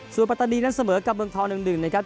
ส่วนปัตตินี่สมมือกับเมืองทอ๑๑นะครับ